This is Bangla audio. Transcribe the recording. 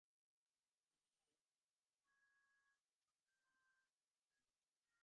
কিন্তু তার আগে, আমার স্ত্রী অ্যাম্বারের জন্য আরেকবার করতালি হয়ে যাক?